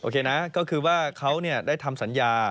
นะก็คือว่าเขาได้ทำสัญญา